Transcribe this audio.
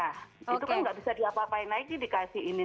itu kan nggak bisa diapa apain lagi dikasih ini